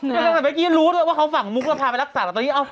เอ้าแต่เมื่อกี้รู้ด้วยว่าเขาฝังมุกแล้วพาไปรักษาเราตอนนี้เอ้า